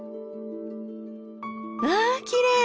わあきれい！